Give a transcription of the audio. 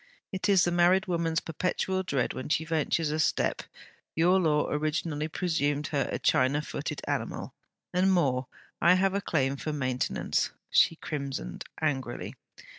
It is the married woman's perpetual dread when she ventures a step. Your Law originally presumed her a China footed animal. And more, I have a claim for maintenance.' She crimsoned angrily.